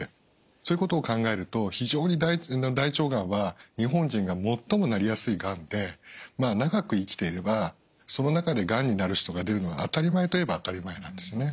そういうことを考えると非常に大腸がんは日本人が最もなりやすいがんで長く生きていればその中でがんになる人が出るのは当たり前といえば当たり前なんですね。